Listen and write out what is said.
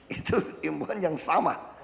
itu yang sama